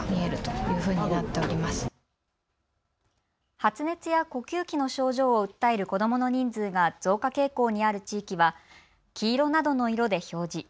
発熱や呼吸器の症状を訴える子どもの人数が増加傾向にある地域は黄色などの色で表示。